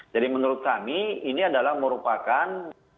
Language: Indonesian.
jadi menurut kami ini adalah merupakan